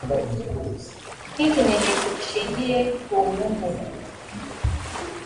nk inkimenyetso gishingiye ku nyungu